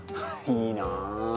いいなあ。